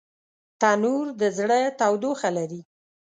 تنور د زړه تودوخه لري